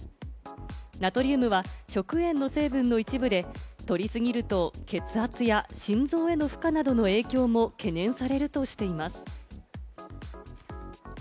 ナトリウムは食塩の成分の一部で取り過ぎると血圧や心臓への負荷などの影響も懸念されるとしています。